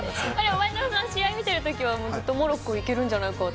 前園さん試合を見てる時はモロッコいけるんじゃないかって。